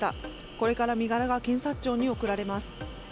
これから身柄が検察庁に送られます。